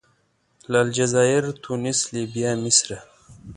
له الجزایر، تونس، لیبیا، مصره.